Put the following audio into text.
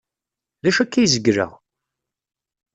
D acu akka ay zegleɣ?